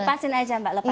lepasin aja mbak lepasin